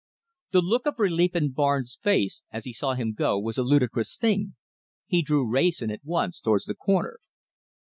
The look of relief in Barnes' face as he saw him go was a ludicrous thing. He drew Wrayson at once towards the corner.